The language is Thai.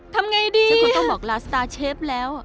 ทำไงดีจนคุณต้องบอกลาสตาร์เชฟแล้ว